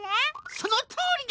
そのとおりだ。